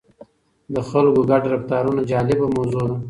د خلکو ګډ رفتارونه جالبه موضوع ده.